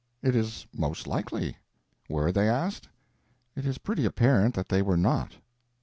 It is most likely. Were they asked? It is pretty apparent that they were not.